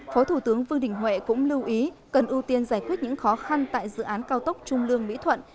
phó thủ tướng vương đình huệ cũng lưu ý cần ưu tiên giải quyết những khó khăn tại dự án cao tốc trung lương mỹ thuận